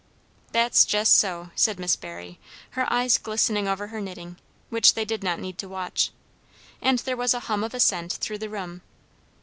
"That's jes' so," said Miss Barry, her eyes glistening over her knitting, which they did not need to watch. And there was a hum of assent through the room.